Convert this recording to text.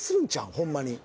ホンマに。